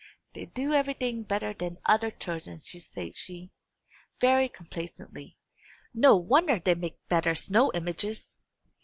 "They do everything better than other children," said she, very complacently. "No wonder they make better snow images!"